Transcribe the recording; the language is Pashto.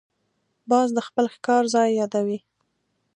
باز د خپل ښکار ځای یادوي